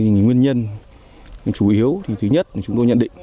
những nguyên nhân chủ yếu thì thứ nhất chúng tôi nhận định